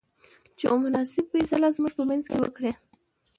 چې يوه مناسبه فيصله زموږ په منځ کې وکړۍ.